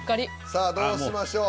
さあどうしましょう。